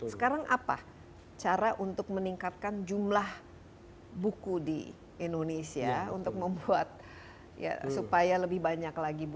sekarang apa cara untuk meningkatkan jumlah buku di indonesia untuk membuat supaya lebih banyak lagi